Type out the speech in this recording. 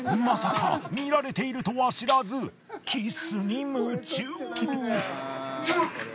まさか見られているとは知らずキスに夢中。